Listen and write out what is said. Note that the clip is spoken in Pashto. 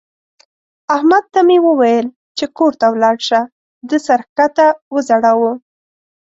احمد ته مې وويل چې کور ته ولاړ شه؛ ده سر کښته وځړاوو.